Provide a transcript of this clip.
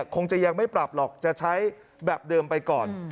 คงจะยังไม่ปรับหรอกจะใช้แบบเดิมไปก่อน